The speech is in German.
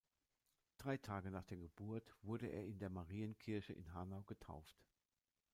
Drei Tage nach der Geburt wurde er in der Marienkirche in Hanau getauft.